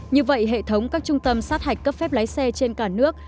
như vậy hệ thống các trung tâm sát hạch cấp phép lái xe trên cả nước